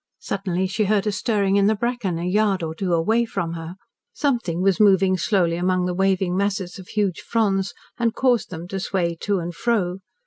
Suddenly she heard a stirring in the bracken a yard or two away from her. Something was moving slowly among the waving masses of huge fronds and caused them to sway to and fro.